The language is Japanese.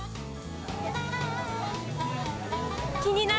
気になる！